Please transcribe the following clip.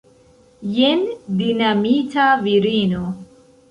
Jen dinamita virino!